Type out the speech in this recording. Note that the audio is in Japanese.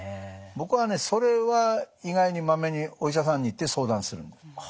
僕はねそれは意外にまめにお医者さんに行って相談するんです。